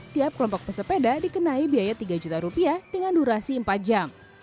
tiap kelompok pesepeda dikenai biaya tiga juta rupiah dengan durasi empat jam